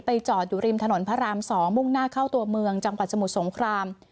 จอดอยู่ริมถนนพระราม๒มุ่งหน้าเข้าตัวเมืองจังหวัดสมุทรสงคราม